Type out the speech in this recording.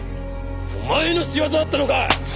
お前の仕業だったのか？